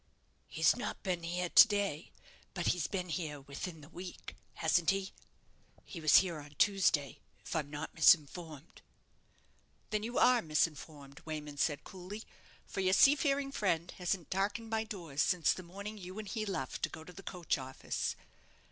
"He's not been here to day; but he's been here within the week, hasn't he? He was here on Tuesday, if I'm not misinformed." "Then you are misinformed," Wayman said, coolly; "for your seafaring friend hasn't darkened my doors since the morning you and he left to go to the coach office."